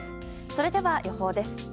それでは、予報です。